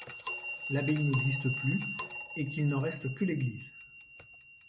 L'abbaye n'existe plus et qu'il n'en reste que l'église.